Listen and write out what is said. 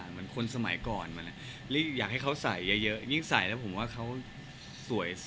เหมือนคนสมัยก่อนอยากให้เขาใส่เยอะยิ่งใส่แล้วผมว่าเขาสวย